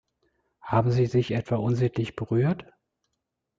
Haben sie sich etwa unsittlich berührt?